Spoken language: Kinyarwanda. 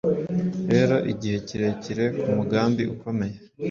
Rero igihe kirekire kumugambi ukomeye